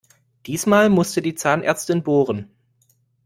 Diesmal musste die Zahnärztin bohren.